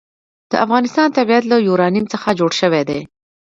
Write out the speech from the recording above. د افغانستان طبیعت له یورانیم څخه جوړ شوی دی.